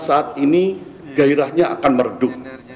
saat ini gairahnya akan meredup